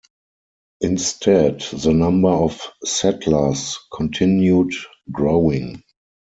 Instead, the number of settlers continued growing.